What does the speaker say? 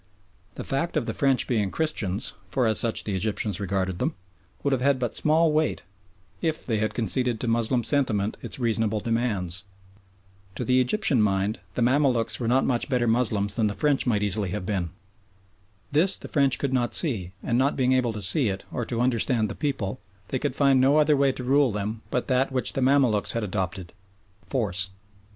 The fact of the French being Christians, for as such the Egyptians regarded them, would have had but small weight if they had conceded to Moslem sentiment its reasonable demands. To the Egyptian mind the Mamaluks were not much better Moslems than the French might easily have been. This the French could not see, and not being able to see it, or to understand the people, they could find no other way to rule them but that which the Mamaluks had adopted force.